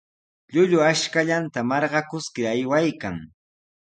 Llullu ashkallanta marqakuskir aywaykan.